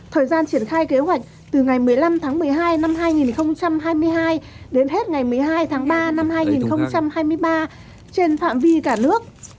thời gian triển khai kế hoạch từ ngày một mươi năm tháng một mươi hai năm hai nghìn hai mươi hai đến hết ngày một mươi hai tháng ba năm hai nghìn hai mươi ba trên phạm vi cả nước